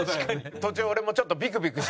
途中俺もちょっと。